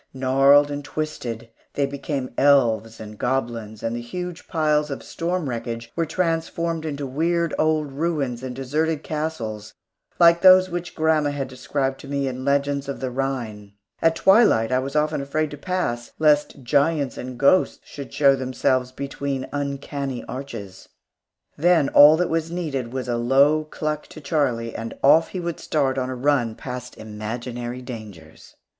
Gnarled and twisted, they became elves and goblins, and the huge piles of storm wreckage were transformed into weird old ruins and deserted castles like those which grandma had described to me in legends of the Rhine. At twilight I was often afraid to pass, lest giants and ghosts should show themselves between uncanny arches. Then all that was needed was a low cluck to Charlie, and off he would start on a run past imaginary dangers.